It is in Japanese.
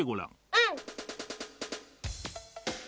うん。